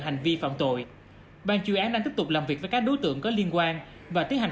hành vi phạm tội ban chuyên án đang tiếp tục làm việc với các đối tượng có liên quan và tiến hành